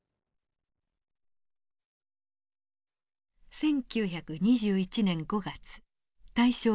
１９２１年５月大正１０年。